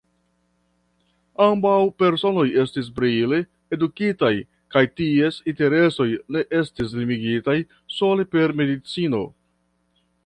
Ambaŭ personoj estis brile edukitaj kaj ties interesoj ne estis limigitaj sole per medicino.